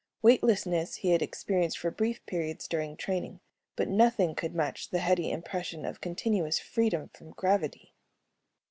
Weightlessness he had experienced for brief periods during training, but nothing could match the heady impression of continuous freedom from gravity.